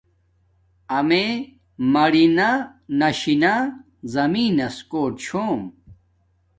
امیے مارنہ ناشی نا زمین نس کوٹ چھوم